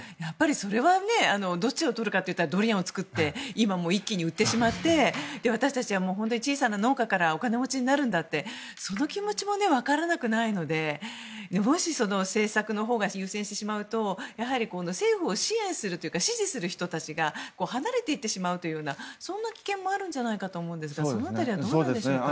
それはどっちをとるかというとドリアンを作って今、一気に売ってしまって私たちは、小さな農家からお金持ちになるんだってその気持ちも分からなくないのでもし、政策のほうを優先してしまうとやはり政府を支援するというか支持する人たちが離れていってしまうというような危険もあるんじゃないかと思うんですがその辺りはどうでしょうか？